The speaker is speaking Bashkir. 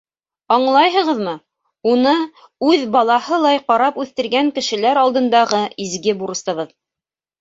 -Аңлайһығыҙмы, уны үҙ балаһылай ҡарап үҫтергән кешеләр алдындағы изге бурысыбыҙ.